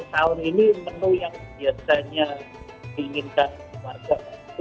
sahur ini menu yang biasanya diinginkan warga